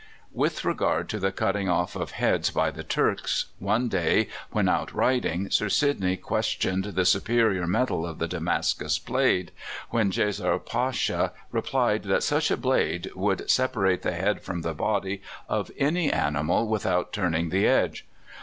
With regard to the cutting off of heads by the Turks, one day, when out riding, Sir Sidney questioned the superior metal of the Damascus blade, when Djezzar Pasha replied that such a blade would separate the head from the body of any animal without turning the edge.